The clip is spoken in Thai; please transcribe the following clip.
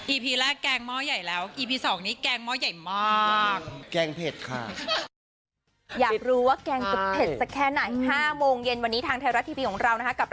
อีพีแรกแกงม้อใหญ่แล้วอีพีสองนี้แกงม้อใหญ่มาก